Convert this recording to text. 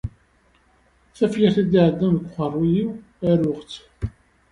Tafyirt i d-iɛeddan deg uqerruy-iw, aruɣ-tt.